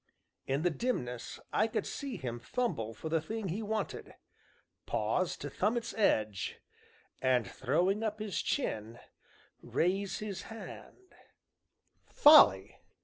In the dimness I could see him fumble for the thing he wanted, pause to thumb its edge, and, throwing up his chin, raise his hand "Folly!"